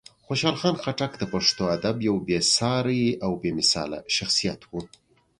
خوشحال خان خټک د پښتو ادب یو بېساری او بېمثاله شخصیت و.